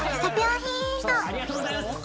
ヒーントありがとうございます